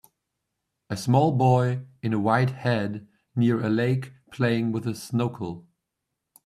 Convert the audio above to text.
A small boy in a white had near a lake playing with a snokel.